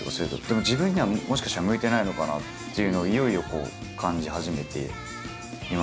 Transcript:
でも自分にはもしかしたら向いてないのかなっていうのをいよいよ感じ始めていまして。